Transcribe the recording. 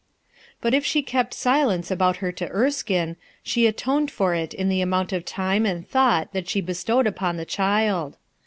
But if she kept silence about her to Erskine, she atoned for it in the amount of time and thought that she bestowed upon the child.